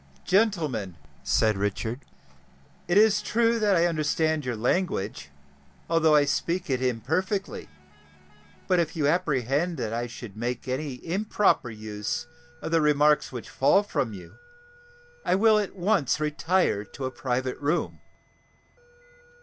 "Gentlemen," said Richard, "it is true that I understand your language, although I speak it imperfectly; but if you apprehend that I should make any improper use of the remarks which fall from you, I will at once retire to a private room."